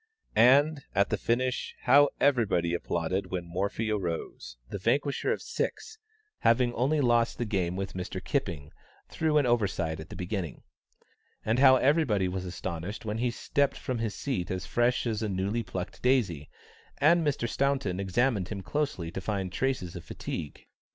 And, at the finish, how everybody applauded when Morphy arose, the vanquisher of six, having only lost the game with Mr. Kipping through an oversight at the beginning. And how everybody was astonished when he stepped from his seat as fresh as a newly plucked daisy, and Mr. Staunton examined him closely to find traces of fatigue.